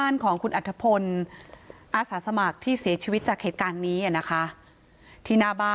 น่ะครับ